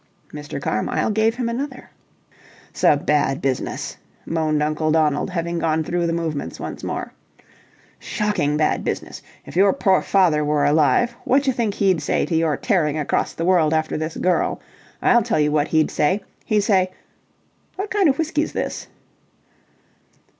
Mr. Carmyle gave him another. "'S a bad business," moaned Uncle Donald, having gone through the movements once more. "Shocking bad business. If your poor father were alive, whatch think he'd say to your tearing across the world after this girl? I'll tell you what he'd say. He'd say... What kind of whisky's this?"